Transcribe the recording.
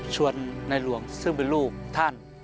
ในหลวงซึ่งเป็นลูกท่าน